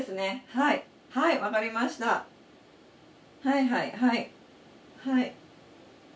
はいはいはいはい。